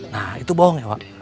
nah itu bohong ya pak